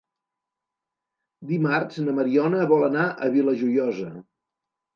Dimarts na Mariona vol anar a la Vila Joiosa.